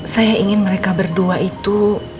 saya ingin mereka berdua itu